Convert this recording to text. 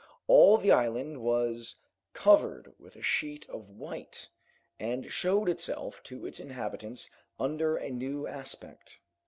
All the island was covered with a sheet of white, and showed itself to its inhabitants under a new aspect.